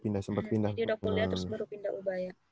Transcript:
dia udah kuliah baru pindah ubaya